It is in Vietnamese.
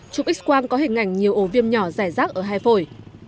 chụp x quang có hình ảnh nhiều ổ viêm nhỏ rải rác ở hai phổi